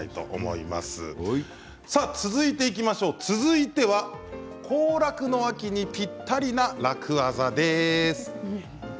続いては行楽の秋にぴったりの楽ワザです。